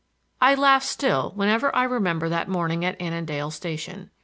I laugh still whenever I remember that morning at Annandale station.